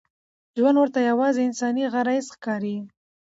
ژوند ورته یوازې انساني غرايز ښکاري.